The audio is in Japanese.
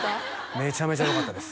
めちゃめちゃよかったです